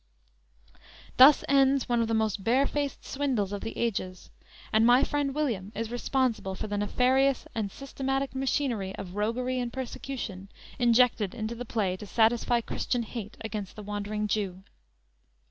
"_ Thus ends one of the most barefaced swindles of the ages; and my friend William is responsible for the nefarious and systematic machinery of roguery and persecution injected into the play to satisfy Christian hate against the wandering Jew.